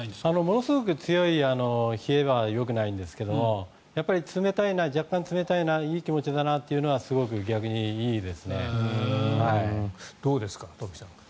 ものすごい強い冷えはよくないんですが若干冷たいないい気持ちだなというのはどうですか、東輝さん。